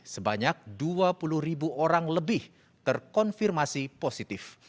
sebanyak dua puluh ribu orang lebih terkonfirmasi positif